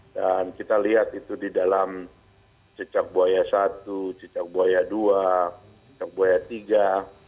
dan kita lihat itu di dalam cecak buaya satu cecak buaya dua cecak buaya tiga